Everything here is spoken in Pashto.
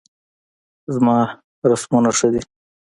زما رسمونه ښه دي